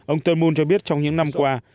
ông turnbull cho biết trong những năm qua